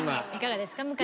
いかがですか？